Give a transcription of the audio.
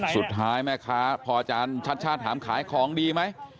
สุทายแม่ค้าพ่ออาจารย์ชัดหามขายของดีมั้ย